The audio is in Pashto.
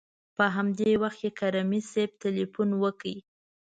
په همدې وخت کې کریمي صیب تلېفون وکړ.